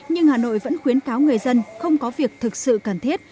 nhưng hà nội vẫn khuyến cáo người dân không có việc thực sự cần thiết